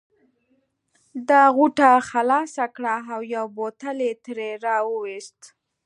ده غوټه خلاصه کړه او یو بوتل یې ترې را وایست.